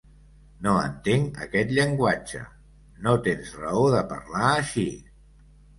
No entenc aquest llenguatge: no tens raó de parlar així.